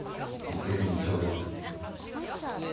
一石二鳥です。